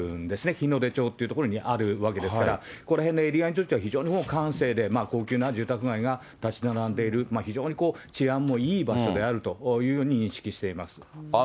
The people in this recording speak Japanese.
日の出町っていう所にあるんですが、この辺のエリアについては、閑静で高級な住宅街が建ち並んでいる、非常に治安もいい場所であるというように認識しています。